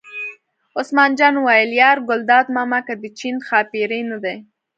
عثمان جان وویل: یار ګلداد ماما که د چین ښاپېرۍ نه دي.